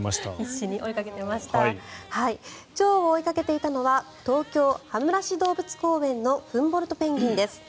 チョウを追いかけていたのは東京・羽村市動物公園のフンボルトペンギンです。